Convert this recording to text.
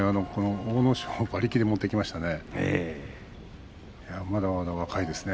阿武咲を馬力で持っていきましたね。